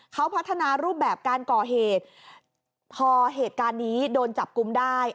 เขาพัฒนารูปแบบการก่อเหตุพอเหตุการณ์นี้โดนจับกุมได้